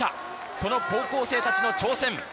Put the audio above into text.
その高校生たちの挑戦。